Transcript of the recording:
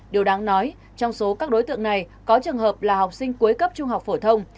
điều đáng nói trong số các đối tượng này có trường hợp là học sinh cuối cấp trung học phổ thông